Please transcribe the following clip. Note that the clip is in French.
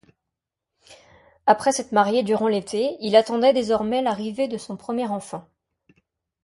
Après s’être marié durant l’été, il attendait désormais l’arrivée de son premier enfant.